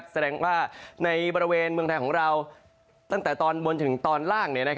แสดงว่าในบริเวณเมืองไทยของเราตั้งแต่ตอนบนจนถึงตอนล่าง